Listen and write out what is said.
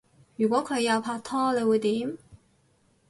如果佢有拍拖你會點？